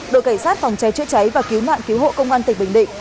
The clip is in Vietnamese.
đội cảnh sát phòng cháy chữa cháy và cứu nạn cứu hộ công an tỉnh bình định